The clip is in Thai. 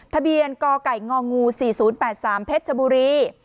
ทะเบียนกไก่ง๔๐๘๓เพชรชบุรี